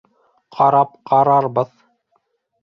Ҡарап ҡарарбыҙ.